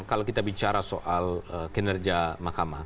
kalau kita bicara soal kinerja mahkamah